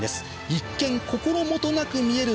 一見心もとなく見える